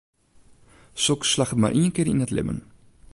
Soks slagget mar ien kear yn it libben.